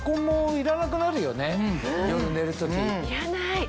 いらない。